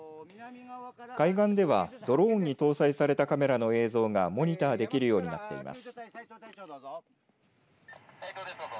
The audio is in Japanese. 海岸ではドローンに搭載されたカメラの映像がモニターできるようになっています。